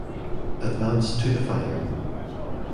Advanced to the Final